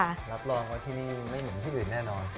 รับรองว่าที่นี่ไม่เหมือนที่อื่นแน่นอน